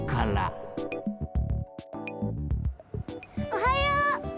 おはよう！